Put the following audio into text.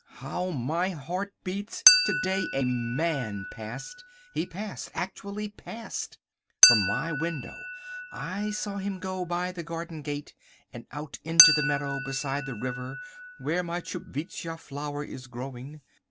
How my heart beats. To day A MAN passed. He passed: actually passed. From my window I saw him go by the garden gate and out into the meadow beside the river where my Tchupvskja flower is growing!